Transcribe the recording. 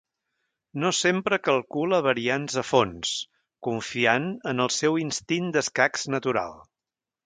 No sempre calcula variants a fons, confiant en el seu instint d'escacs natural.